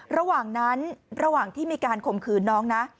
ระหว่างนั้นระหว่างที่มีการข่มขืนน้องนะ